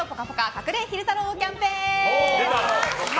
隠れ昼太郎キャンペーン。